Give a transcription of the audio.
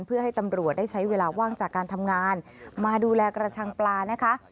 เพื่อให้ตำรวจได้ใช้เวลาว่างจากการทำงานมาดูแลกระชังปลานะคะ